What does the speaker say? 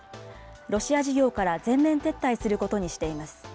ロシア事業から全面撤退することにしています。